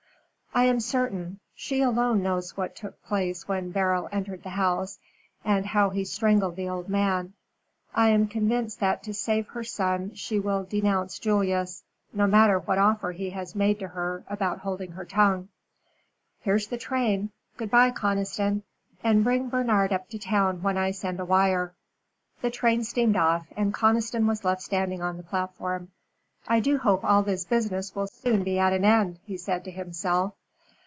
"I am certain. She alone knows what took place when Beryl entered the house and how he strangled the old man. I am convinced that to save her son she will denounce Julius, no matter what offer he has made to her about holding her tongue. Here's the train. Good bye, Conniston, and bring Bernard up to town when I send a wire." The train steamed off, and Conniston was left standing on the platform. "I do hope all this business will soon be at an end," he said to himself.